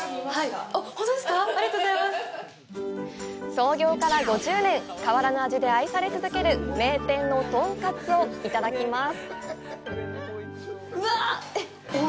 創業から５０年、変わらぬ味で愛され続ける名店のとんかつをいただきます。